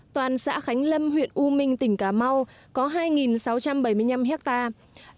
toàn xã khánh lâm huyện u minh tỉnh cà mau có hai sáu trăm bảy mươi năm hectare